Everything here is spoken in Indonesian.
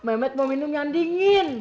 memet mau minum yang dingin